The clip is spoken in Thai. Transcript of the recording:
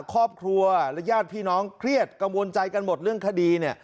ครอบครัวและญาติพี่น้องเครียดกังวลใจกันหมดเรื่องคดี